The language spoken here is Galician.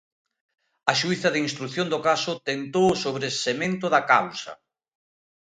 A xuíza de instrución do caso tentou o sobresemento da causa.